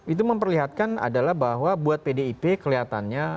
itu memperlihatkan adalah bahwa buat pdip kelihatannya